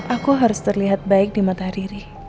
aku harus terlihat baik di mata riri